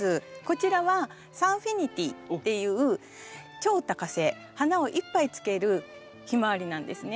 こちらはサンフィニティっていう超多花性花をいっぱいつけるヒマワリなんですね。